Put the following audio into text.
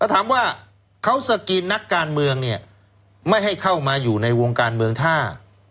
ถามว่าเขาสกรีนนักการเมืองเนี่ยไม่ให้เข้ามาอยู่ในวงการเมืองท่า